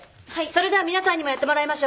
それでは皆さんにもやってもらいましょう。